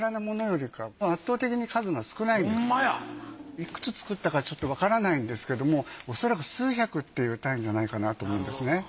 いくつ作ったかわからないんですけどもおそらく数百っていう単位じゃないかなと思うんですね。